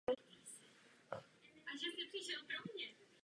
O jeho životě není takřka nic známo.